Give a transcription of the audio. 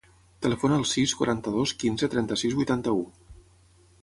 Telefona al sis, quaranta-dos, quinze, trenta-sis, vuitanta-u.